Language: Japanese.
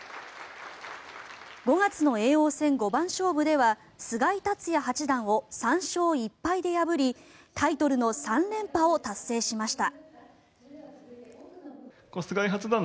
５月の叡王戦五番勝負では菅井竜也八段を３勝１敗で破りタイトルの３連覇を達成しました。